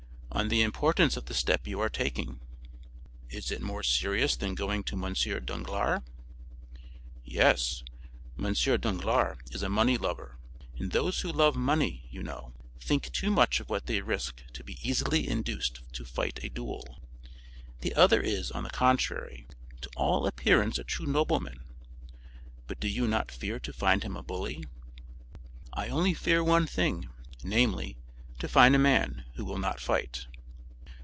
"On the importance of the step you are taking." "Is it more serious than going to M. Danglars?" "Yes; M. Danglars is a money lover, and those who love money, you know, think too much of what they risk to be easily induced to fight a duel. The other is, on the contrary, to all appearance a true nobleman; but do you not fear to find him a bully?" "I only fear one thing; namely, to find a man who will not fight."